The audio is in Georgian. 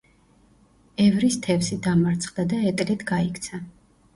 ევრისთევსი დამარცხდა და ეტლით გაიქცა.